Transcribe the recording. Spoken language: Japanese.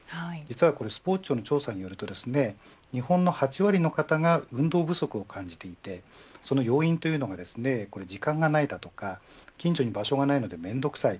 これはスポーツ庁の調査によると日本の８割の方が運動不足を感じていてその要因というのが時間がないだとか近所に場所がないので面倒くさい